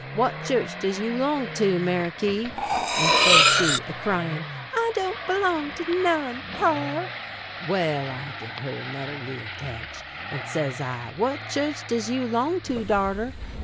What chu'ch does you 'long to, Meriky?" And says she, a cryin': "I don't 'long to none, par." Well, I gib her anodder leetle tetch, and says I: "What chu'ch does you 'long to, darter?"